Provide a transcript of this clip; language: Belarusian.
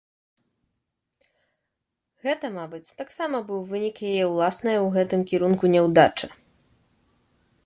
Гэта, мабыць, таксама быў вынік яе ўласнае ў гэтым кірунку няўдачы.